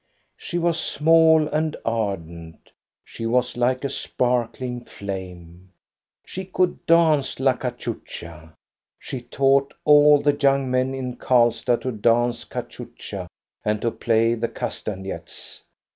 She was small and ardent. She was like a sparkling flame. She could dance la cachucha. She taught all the young men in Karlstad to dance cachucha and to play the casta nets.